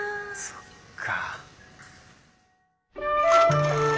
そっか。